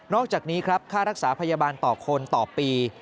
อกจากนี้ครับค่ารักษาพยาบาลต่อคนต่อปี